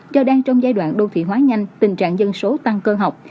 do đang trong giai đoạn đô thị hóa nhanh tình trạng dân số tăng cơ học